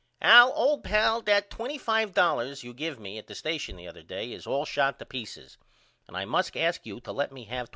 Al old pal that $25.00 you give me at the station the other day is all shot to peaces and I must ask you to let me have $25.